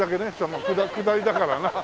もう下りだからな。